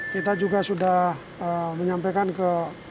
kita juga sudah menyampaikan ke